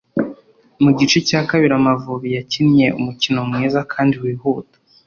Mu gice cya kabiri Amavubi yakinnye umukino mwiza kandi wihuta